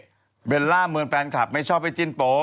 เบลล่าเมินแฟนคลับไม่ชอบให้จิ้นโป๊